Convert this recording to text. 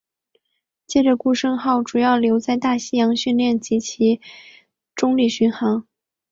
接着顾盛号主要留在大西洋训练及作中立巡航。